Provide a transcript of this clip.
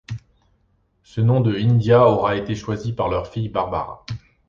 Ce nom de India aurait été choisi par leur fille Barbara.